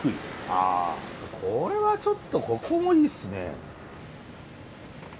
あこれはちょっとここもいいっすね。